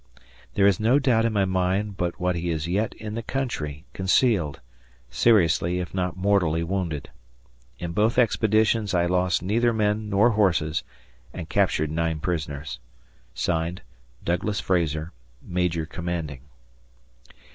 There is no doubt in my mind but what he is yet in the country, concealed; seriously, if not mortally wounded. In both expeditions I lost neither men nor horses and captured nine prisoners. (Signed) Douglas Frazar, Major Commanding.